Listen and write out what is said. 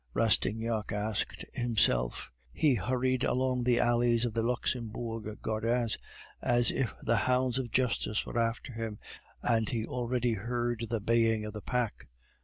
Rastignac asked himself. He hurried along the alleys of the Luxembourg Gardens as if the hounds of justice were after him, and he already heard the baying of the pack.